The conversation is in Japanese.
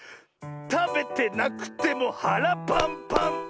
たべてなくてもはらパンパン！